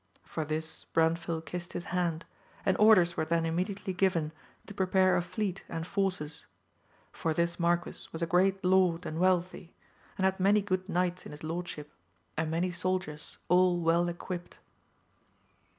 For this Branfil kissed his hand; and orders were then immediately given to prepare a fleet and forces; for this marquis was a great lord and wealthy, and had many good knights in his lordship, and many soldiers all well equipped.